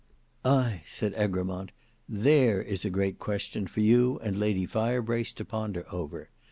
"Ay!" said Egremont, "there is a great question for you and Lady Firebrace to ponder over.